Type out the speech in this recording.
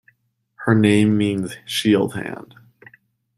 Her name means shield-hand.